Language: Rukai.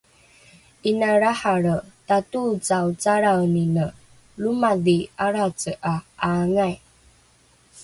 'Ina lrahalre tatoocaocalraenine lomadhi alrace 'a aangai?